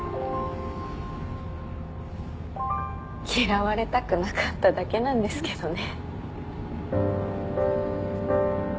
嫌われたくなかっただけなんですけどね。